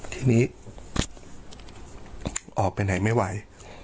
ทีนี้ออกไปไหนไม่ไหว